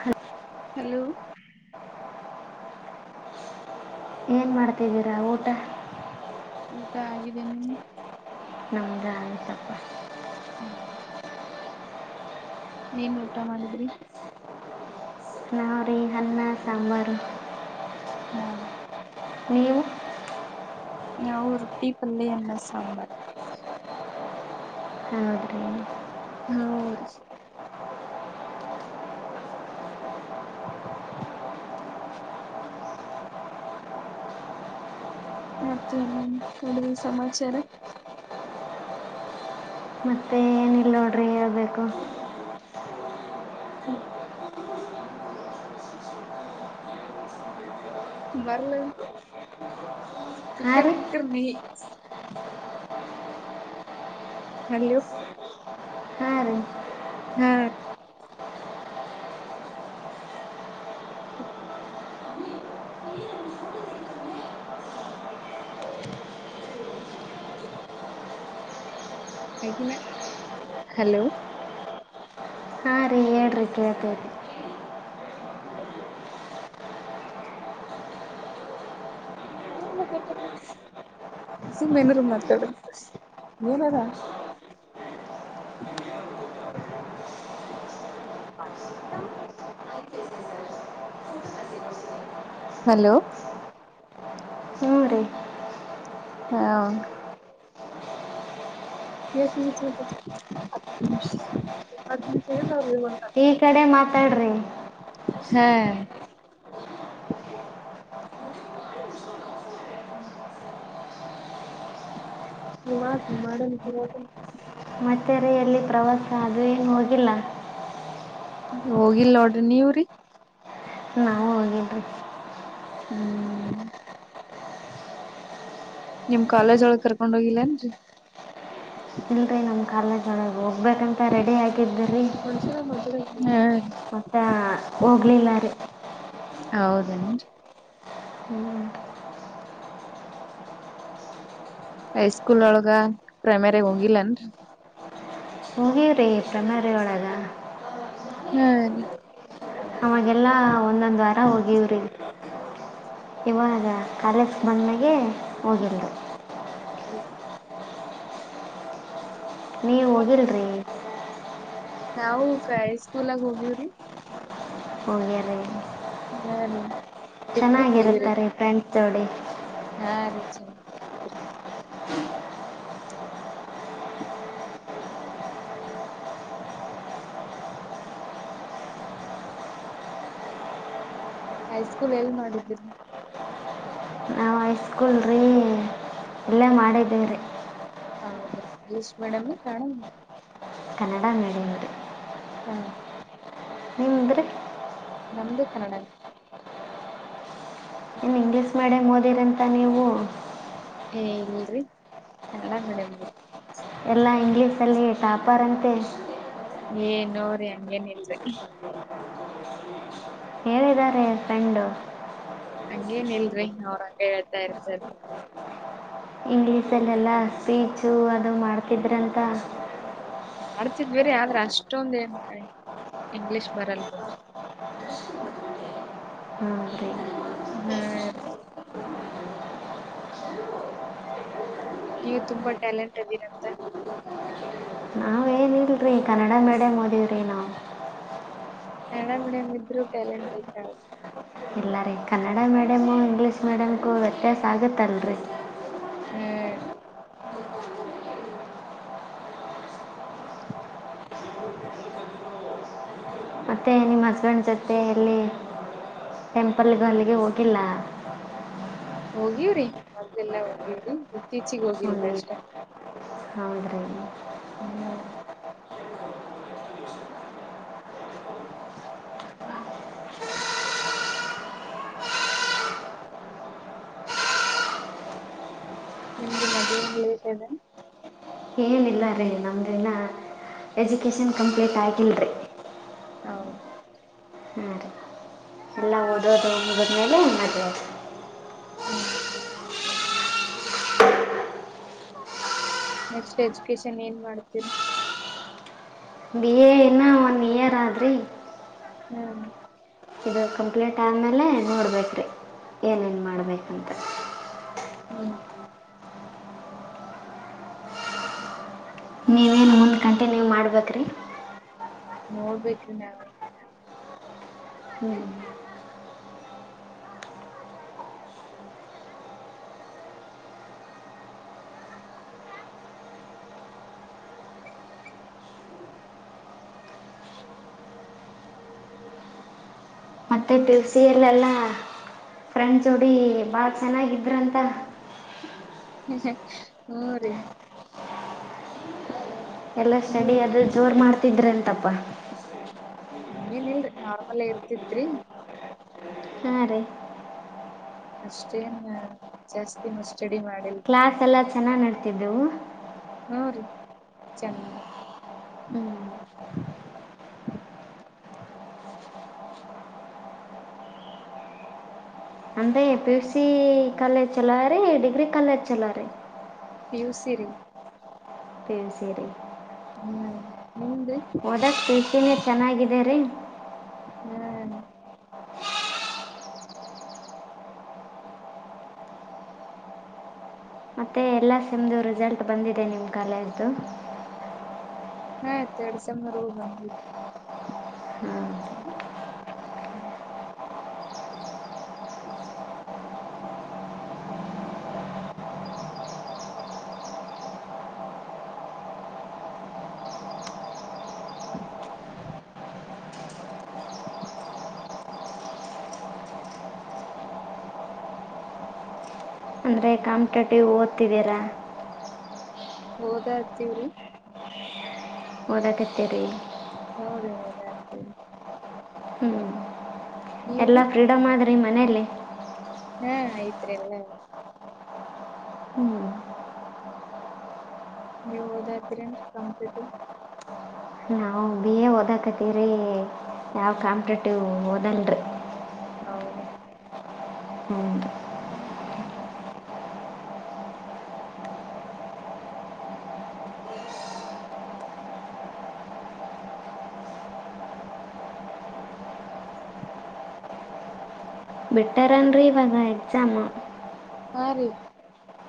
ಹ ಹಲೋ ಏನ್ ಮಾಡ್ತಿದ್ದೀರಾ ಊಟ ಊಟ ಆಗಿದೆ ನಿಮ್ಮದು ನಮ್ಮದ ಆಯ್ತಪ್ಪ ಹ್ಮ ಏನ್ ಊಟ ಮಾಡಿದ್ರಿ ಹಾರಿ ಅನ್ನ ಸಾಂಬಾರ್ ಹ್ಮ್ ನೀವು ನಾವು ರೊಟ್ಟಿ ಪಲ್ಲೆ ಅನ್ನ ಸಾಂಬಾರ್ ಹೌದ್ರಿ ಹೌ ರೀ ಮತ್ತೆ ಮೇಾಮ್ ನೋಡಿದ ಸಮಾಚಾರ ಮತ್ತೆ ಏನಿಲ್ಲ ನೋಡ್ರಿ ಹೇಳ್ಬೇಕು ಹ ಹ ಬರಲಂದು ಹಾಂ ಸಕ್ಕರ ರೀ ಸಿಕ್ಕರ ನೀ ಹಲೋ ಹಾಂ ರೀ ಹ್ಮ ಆ ಹಲೋ ಹಾಂ ರೀ ಹೇಳ್ರಿ ಕೇಳ್ತೇವೆ ಹ ಸುಮ್ಮನೆ ಏನಾರ ಮಾತಾಡು ಏನರ ಹ ಹ [unintelligible] ಹಲೋ ಹ್ಞೂ ರೀ ಹಾ ಎಷ್ಟ್ ನಿಮಿಷ ಆತು ಹತ್ತ್ ನಿಮಿಷ ನಿಮಿಷ ಈ ಕಡೆ ಮಾತಾಡ್ರಿ ಹಾ ನಿ ಮಾಡ ನಿ ಮಾಡ ನಿಜ ಮಾಡ [unintelligible] ಮತ್ತ ರೀ ಎಲ್ಲಿ ಪ್ರವಾಸ ಅದು ಏನು ಹೋಗಿಲ್ಲ ಹೋಗಿಲ್ಲ ನೋಡ್ರಿ ನೀವ್ ರಿ ನಾವು ಹೋಗಿದ್ವಿ ಹ್ಮ್ ನಿಮ್ ಕಾಲೇಜ್ ಒಳಗ್ ಕರ್ಕೊಂಡ ಹೋಗಿಲ್ಲೇನ್ರಿ ಸಿಗ್ಬೇಕಂತ ರೆಡಿ ಆಗಿದ್ದ್ರೀ ಹಾ ಹೋಗ್ಲಿಲ್ಲ ರಿ ಹೌದೇನ್ರಿ ಹ್ಞೂ ಹೈಸ್ಕೂಲ್ ಒಳಗ ಪ್ರೈಮರಿ ಹೋಗಿಲ್ಲನ್ ಹಾಗೇವ ರೀ ಪ್ರೈಮರಿ ಒಳಗ ಹ್ಮ ರೀ ಅವಾಗೆಲ್ಲಾ ಒಂದೊಂದ್ ವಾರ ಹೋಗಿವ್ರಿ ಇವಾಗ ಕಾಲೇಜ ಬಂದ್ಮ್ಯಾಗೆ ಹೋಗಿಲ್ರಿ ಹೌದು ನೀವ ಹೋಗಿಲ್ರಿ ನಾವು ಹೈಸ್ಕೂಲಗ ಹೋಗೀವ್ರಿ ಹೋಗ್ಯಾರೀ ಹಾ ರಿ ಚೆನ್ನಾಗಿರುತ್ತ ರಿ ಫ್ರೆಂಡ್ಸ್ ಜೋಡಿ ಹಾ ರಿ ಚನಾಗಿರತ್ತ ರಿ ಹೈಸ್ಕೂಲ್ ಎಲ್ ಮಾಡಿದ್ರಿ ನಾವು ಹೈಸ್ಕೂಲ್ ರೀ ಇಲ್ಲೇ ಮಾಡಿದ್ದೀವಿ ರೀ ಹೌದ English medium Kannada medium Kannada medium ರೀ ಹಾ ನಿಮ್ದು ರೀ ನಮ್ದು ಕನ್ನಡ ಹ್ಮ ಇಂಗ್ಲಿಷ್ ಮೀಡಿಯಂ ಓದಿರಂತ ನೀವು ಏ ಇಲ್ರಿ ಕನ್ನಡ ಮೀಡಿಯಂ ರಿ ಎಲ್ಲ ಇಂಗ್ಲೀಷಲ್ಲಿ ಟಾಪರ್ ಅಂತೆ ಏ ನೋ ರಿ ಹಂಗೇನ್ ಇಲ್ರಿ ಹೇಳಿದ್ದಾರೆ ಫ್ರೆಂಡು ಹಂಗೇನ್ ಇಲ್ರಿ ಅವ್ರಂಗ ಹೇಳ್ತಾ ಇರ್ತಾರ ಇಂಗ್ಲೀಷಲ್ಲೆಲ್ಲ ಸ್ಪೀಚು ಅದು ಮಾಡ್ತಿದ್ರಂತ ಮಾಡ್ತಿದ್ವಿ ರಿ ಆದ್ರೆ ಅಷ್ಟೊಂದ ಏನ್ ಇಂಗ್ಲಿಷ್ ಬರಲ್ ಬಿಡ್ರೀ ಹ್ಞೂ ರೀ ಹ್ಮ ನೀವು ತುಂಬಾ ಟ್ಯಾಲೆಂಟ್ ಅದೀರಂತ ನಾವೇನಿಲ್ಲ ರೀ ಕನ್ನಡ ಮೀಡಿಯಮ್ ಓದೀವಿ ರೀ ನಾವು ಕನ್ನಡ ಮೀಡಿಯಮ್ ಇದ್ರು ಟ್ಯಾಲೆಂಟ್ ಐತಳ್ರಿ ಇಲ್ಲ ಕನ್ನಡ ಮೀಡಿಯಂ ವ್ಯತ್ಯಸ್ ಆಗುತ್ ತಲ್ರಿ. ಹ್ಮ ಮತ್ತ ನಿಮ್ಮ ಹಸ್ಬೆಂಡ್ ಜೊತೆ ಎಲ್ಲಿ ಟೆಂಪಲ್ಗೂ ಅಲ್ಲಿಗೆ ಹೋಗಿಲ್ಲ ಹೋಗಿವ್ರಿ ಮೊದ್ಲೆಲ್ಲಾ ಹೋಗಿವ್ರಿ. ಇತ್ತೀಚಿಗ್ ಹೋಗಿಲ್ರಿ ಹೌದು ಅಷ್ಟೆ ಹೌದ್ರೀ [unintelligible] ನಿಮ್ದು ಮದ್ವೆ ಲೇಟ್ ಅದೇನ್. ಏನಿಲ್ಲ ರೀ ನಮ್ದಿನ ಎಜುಕೇಶನ್ ಕಂಪ್ಲೀಟ್ ಆಗಿಲ್ರಿ. ಹೌದು ಹೌದು [unintelligible] ಮೇಲೆ ಮದ್ವೇ ಆದ್. ಹ್ಮ ನೆಕ್ಸ್ಟ್ ಎಜುಕೇಶನ್ ಏನ್ ಮಾಡ್ತೀರಿ ಬಿ ಎ ಇನ್ನ ಒನ್ ಇಯರ್ ಆದ್ರಿ ಹ್ಮ್ ಇದು ಕಂಪ್ಲೀಟ್ ಆದಮೇಲೆ ನೋಡ್ಬೇಕ್ರೀ ಏನೇನು ಮಾಡ್ಬೇಕಂತ ಹ್ಮ್ ನೀವೇನು ಒಂದ್ ಗಂಟೆ ನೀವ್ ಮಾಡ್ಬೇಕ್ರಿ. ನೋಡ್ಬೇಕ್ರಿ ನಾವು. ಹ್ಞೂ ಮತ್ತುತ್ತೆ ಪಿ ಯು ಸಿ ಯಲ್ಲೆಲ್ಲ ಫ್ರೆಂಡ್ಸ ಜೋಡಿ ಭಾಳ ಚೆನ್ನಾಗಿದ್ರಂತ. ಹಃ ಹ ಹು ರೀ ಎಲ್ಲ ನೀವ ಸ್ಟಡಿ ಆದ್ ಜೋರ್ ಮಾಡ್ತಿದ್ರ ಅಂತಪ್ಪ. ಹಂಗೇನ್ ಇಲ್ರಿ ನಾರ್ಮಲೆ ಇರ್ತಿತ್ರಿ. ಹಾಂ ರೀ ಅಷ್ಟೇನ ಜಾಸ್ತಿ ಮಷ್ ಕ್ಲಾಸ್ ಎಲ್ಲಾ ಚೆನ್ನಗ್ ನಡ್ ತ್ತಿದು ಹು ರೀ ಚನ್. ಅಂದೇ ಪಿ ಯುಸಿ ಕಾಲೇಜ್ ಚಲೋರಿ ಡಿಗ್ರಿ ಕಾಲೇಜ್ ಚಲೋರಿ. ಪಿ ಯು ಸಿ ರಿ. ಪಿ ಯು ಸಿ ರಿ. [unintelligible] ಓದಕ್ ಪಿ ಯು ಸಿ ನೆ ಚೆನ್ನಾಗಿದೆರಿ. ನಾ ಮತ್ತೆ ಎಲ್ಲ ಸಿಮ್ದು ರಿಸಲ್ಟ್ ಬಂದಿದೆ ನಿಮ್ಮ ಕಾಲೇಜ್ದು. ಹಾತ್ತಡ್ಸೆ ಸೇಮ್ವರ್ಗು ಬಂತಿ. ಹ್ಮ ಬ. ಅಂದರೆ ಕಾಂಪಿಟೇಟಿವ್ ಓದ್ತಿದ್ದೀರಾ. ಹೋದ ಅತ್ತಿವ್ರಿ. ವೋದ ಕತೀರಿ. ಹೌ ರೀ ವೋದ ಅತಿವ್ರಿ. ಎಲ್ಲಾ ಫ್ರೀಡಂಮ್ ಮಾಡ ನಿಮ್ ಮನೆಲಿ. ಹಾ ಆಯ್ತ್ರಿ ಎಲ್ಲ. ಹ್ಞೂ ಯೋದದ್ರೇನ್ ಕಾಂಪಿಟೆಟಿವ್. ಓದಕತೀವ್ರಿ ನಾವ್ ಕಾಂಪಿಟೇಟಿವ್ ಓದಲ್ರಿ. ಹೌದು ಹ್ಞೂ ಹ್ಮ್ ಬಿಟ್ಟಾರೇನ್ರಿ ಇವಾಗ ಎಕ್ಸಾಮ ಹಾ ರೀ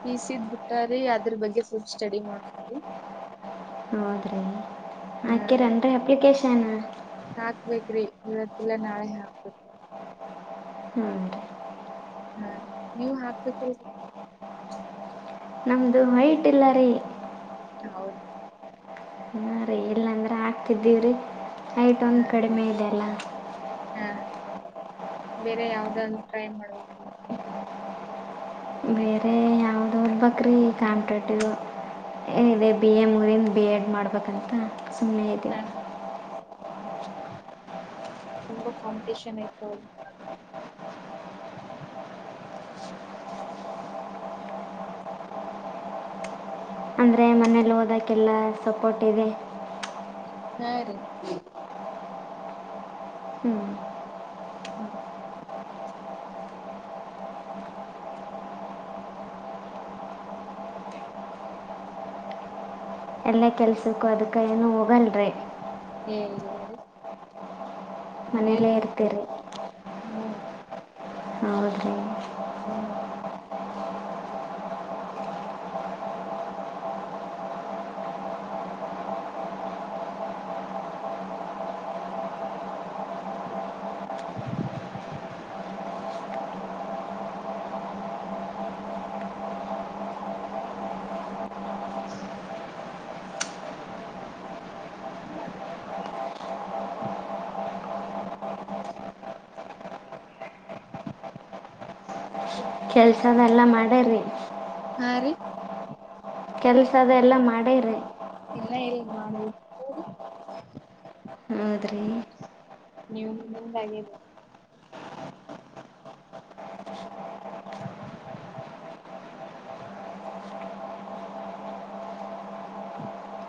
ಪಸಿದ್ ಬಿಟ್ಟ ರೀ ಅದ್ರ ಬಗ್ಗೆ ಫುಡ್ ಸ್ಟಡಿ ಮಾಡರಿ ಆರ ಆಪ್ಲಿಕ ಹನ್ನ ಹಾಕ್ಬೇಕೇರಿ ಇವತ್ತಲ್ಲಾ ನಾಳೆ ಹಾಕ್ತತಿ ಹ್ಞೂ ರೀ ಹಾ ನೀವು ಹಾಕ್ಬೇಕ ಮೈಟಿಲ್ಲರಿ ಹೌದು ಹ ರೀ ಇಲ್ಲಾಂದ್ರೆ ಹಾಕ್ತಿದ್ದೀವ್ರೀ ಆಯ್ಟ್ ಒಂದ ಹಾ ಕಡಿಮೆ ಇದೆ ಅಲ್ಲ ಹಾ ಬೇರೆ ಯಾವ್ದ ಒಂದು ಟ್ರೈ ಮಾಡ್ಬೇಕು. ಬೇರೆ ಯಾವ್ದೋಬಕ್ರೀ ಕಾಂಪಟೇಟ್ ಇದೆ ಬಿ ಎ ಮುಗಿಂದ ಬಿ ಎಡ್ ಮಾಡ್ಬೇಕಂತ. ಸುಮ್ನೆ ಇದೆವ. ಹಾ ತುಂಬಾ ಕಾಂಪಿಟೆಷನ್ ಐತ್ ನೋಡ್. ಅಂದರೆ ಮನೇಲಿ ಓದೋಕ್ಕೆಲ್ಲ ಸಪೋರ್ಟ್ ಇದೆ ಹಾ ರೀ ಹ್ಞೂ ಹ್ಮ ಎಲ್ಲಾ ಕೆಲ್ಸಕ್ಕೂ ಅದ್ಕ್ಕ ಏನು ಹೋಗಲ್ರಿ ಹೇ ಇಲ್ಲಾರಿ ಮನೇಲೇ ಮನೇಲೆ ಇರ್ತಿನಿ ಇರ್ತೀರಿ ಹೌದ್ರಿ ಹ್ಮ [unintelligible] [unintelligible] ಕೆಲಸನೆಲ್ಲ ಮಾಡರಿ ಹಾ ರೀ ಕೆಲ್ಸ ಅದ ಎಲ್ಲಾ ಮಾಡೇರಿ ಇನ್ನ ಇಲ್ಲರೀ ಮಾಡಬೇಕು ಹೌದ್ರಿ ನೀವು ನಿಮ್ಮದು ಆಗರಿ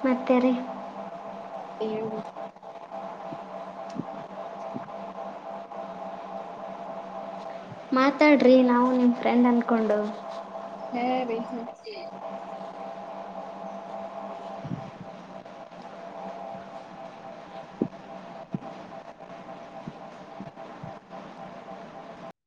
ಮತ್ತೆ ರೀ ಹೇಳಬೇಕು [unintelligible] ಮಾತಾಡ್ರಿ ನಾವು ನಿಮ್ಮ ಫ್ರೆಂಡ್ ಅಂದ್ಕೊಂಡು ಹ್ಮ